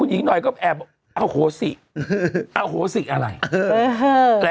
หญิงหน่อยก็แอบอโหสิอโหสิอะไร